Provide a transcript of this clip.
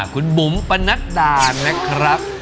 คุณบุ๋มปนัดดานะครับ